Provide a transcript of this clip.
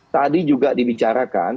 tadi juga dibicarakan